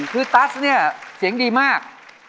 คือตัสเนี่ยเสียงดีมาก